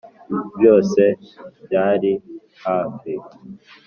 byose byari hafi.